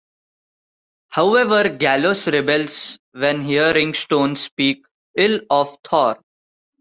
However Gallows rebels when hearing Stone speak ill of Thor.